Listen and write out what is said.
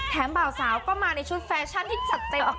บ่าวสาวก็มาในชุดแฟชั่นที่จัดเต็ม